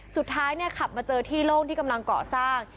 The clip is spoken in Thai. สุดท้ายเนี่ยขับมาเจอที่โล่งที่กำลังเกาะสร้าง